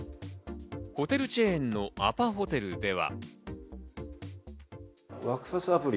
ホテルチェーンのアパホテルでは。